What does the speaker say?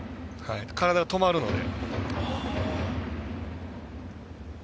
体が止まるので。